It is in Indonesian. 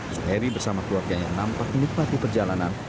suheri bersama keluarganya nampak menikmati perjalanan